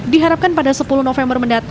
diharapkan pada sepuluh november